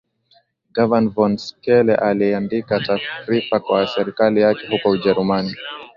Gavana von Schele aliandika taarifa kwa serikali yake huko Ujerumani